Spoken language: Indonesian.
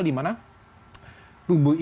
dimana tubuh itu bisa mengakses